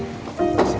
terima kasih ya